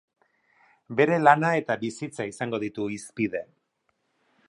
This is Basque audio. Bere lana eta bizitza izango ditu hizpide.